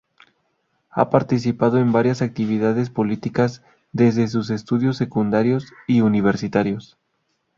Ha participado en varias actividades políticas desde sus estudios secundarios y universitarios.